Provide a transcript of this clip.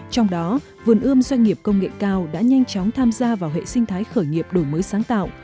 trong đó vườn ươm doanh nghiệp công nghệ cao đã nhanh chóng tham gia vào hệ sinh thái khởi nghiệp đổi mới sáng tạo